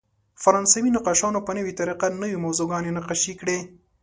فرانسوي نقاشانو په نوې طریقه نوې موضوعګانې نقاشي کړې.